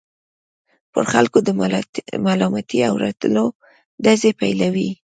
پر خلکو د ملامتۍ او رټلو ډزې پيلوي.